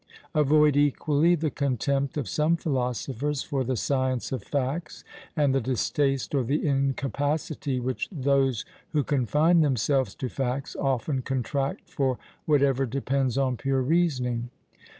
Avoid equally the contempt of some philosophers for the science of facts, and the distaste or the incapacity which those who confine themselves to facts often contract for whatever depends on pure reasoning.